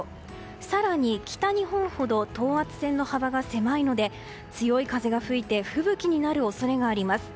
更に北日本ほど等圧線の幅が狭いので強い風が吹いて吹雪になる恐れがあります。